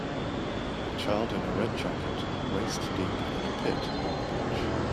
A child in a red jacket, waist deep in a pit on the beach.